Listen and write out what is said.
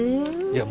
いや。